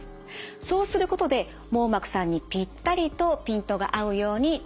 そうすることで網膜さんにぴったりとピントが合うように調節します。